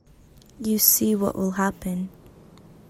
You see what will happen.